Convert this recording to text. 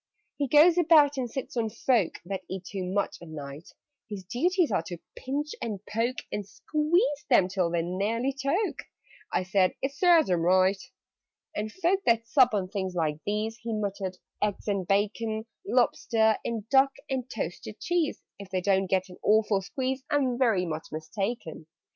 "He goes about and sits on folk That eat too much at night: His duties are to pinch, and poke, And squeeze them till they nearly choke." (I said "It serves them right!") "And folk that sup on things like these " He muttered, "eggs and bacon Lobster and duck and toasted cheese If they don't get an awful squeeze, I'm very much mistaken!